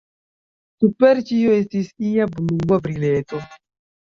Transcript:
Super ĉio estis ia blua brileto.